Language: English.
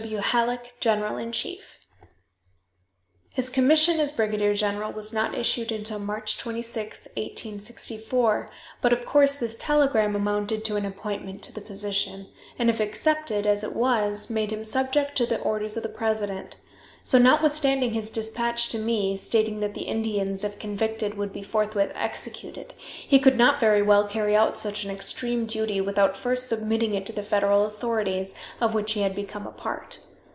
W. HALLECK, "General in Chief." His commission as brigadier general was not issued until March 26, 1864, but, of course, this telegram amounted to an appointment to the position, and if accepted, as it was, made him subject to the orders of the president; so, notwithstanding his dispatch to me, stating that the Indians, if convicted, would be forthwith executed, he could not very well carry out such an extreme duty without first submitting it to the federal authorities, of which he had become a part.